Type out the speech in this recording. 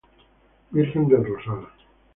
Virgen del rosal